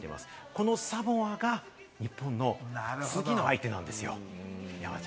このサモアが日本の次の相手なんですよ。